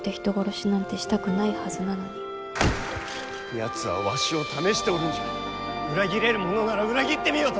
やつはわしを試しておるんじゃ裏切れるものなら裏切ってみよと！